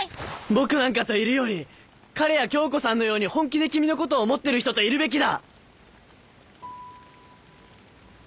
僕なんかといるより彼や恭子さんのように本気で君のことを思ってる人といるべきだ！